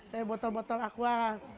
kayak botol botol aqua